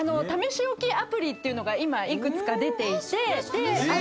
試し置きアプリっていうのが今幾つか出ていて。